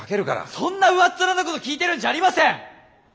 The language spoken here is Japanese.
そんな上っ面なこと聞いてるんじゃありません！